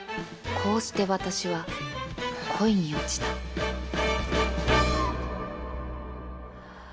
こうして私は恋に落ちたはあ。